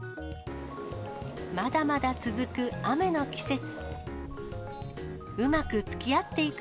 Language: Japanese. まだまだ続く雨の季節。